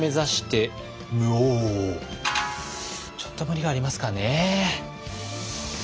ちょっと無理がありますかね？